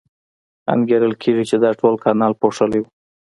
انګېرل کېږي چې دا ټول کانال پوښلی و.